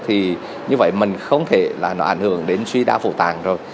thì như vậy mình không thể là nó ảnh hưởng đến suy đa phủ tàng rồi